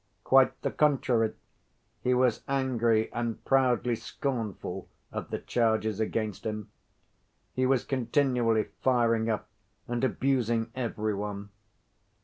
Quite the contrary, he was angry and proudly scornful of the charges against him; he was continually firing up and abusing every one.